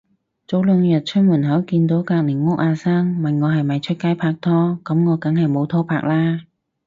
早兩日出門口見到隔離屋阿生，問我係咪出街拍拖，噉我梗係冇拖拍啦